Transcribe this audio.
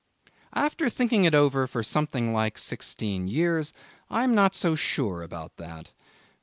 After thinking it over for something like sixteen years, I am not so sure about that.